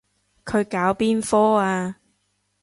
佢搞邊科啊？